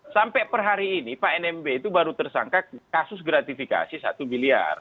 sampai per hari ini pak nmb itu baru tersangka kasus gratifikasi satu miliar